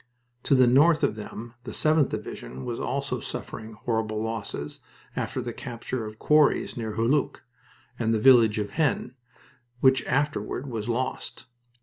To the north of them the 7th Division was also suffering horrible losses after the capture of the quarries, near Hulluch, and the village of Haisnes, which afterward was lost.